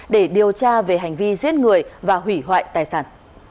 để điều tra về hành vi giết người và hủy hoại tài sản